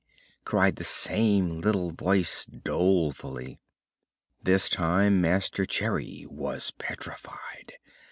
cried the same little voice dolefully. This time Master Cherry was petrified.